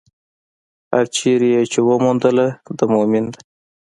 هره چېرې يې چې وموندله، د مؤمن ده.